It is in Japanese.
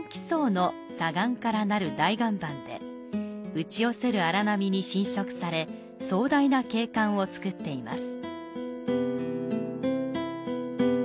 打ち寄せる荒波に浸食され、壮大な景観をつくっています。